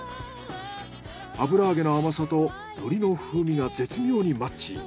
油揚げの甘さと海苔の風味が絶妙にマッチ。